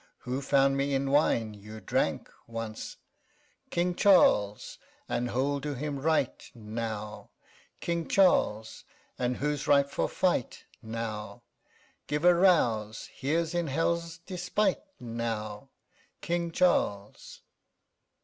Who found me in wine you drank once? CHORUS. King Charles, and who'll do him right now? King Charles, and who's ripe for fight now? 10 Give a rouse; here's, in hell's despite now, _King Charles!